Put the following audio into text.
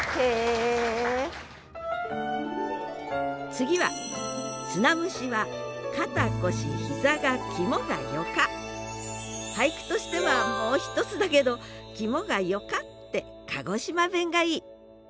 次は俳句としてはもうひとつだけど「きもがよか」って鹿児島弁がいい！